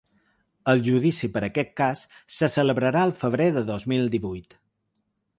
El judici per aquest cas se celebrarà al febrer de dos mil divuit.